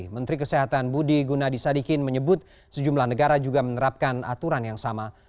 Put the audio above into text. menteri kesehatan budi gunadisadikin menyebut sejumlah negara juga menerapkan aturan yang sama